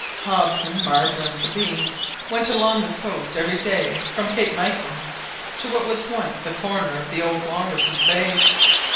Hobson, Marbre, and Sabine went along the coast every day from Cape Michael to what was once the corner of the old Walruses' Bay.